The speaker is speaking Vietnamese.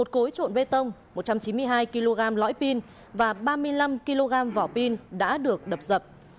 một cối trộn bê tông một trăm chín mươi hai kg lõi pin và ba mươi năm kg vỏ pin đã được đập dập